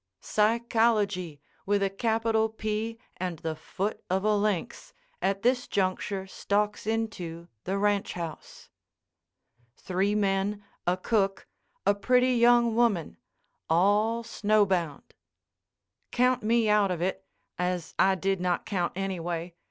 Psychology, with a capital P and the foot of a lynx, at this juncture stalks into the ranch house. Three men, a cook, a pretty young woman—all snowbound. Count me out of it, as I did not count, anyway.